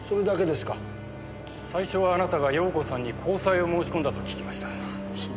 最初はあなたが容子さんに交際を申し込んだと聞きました。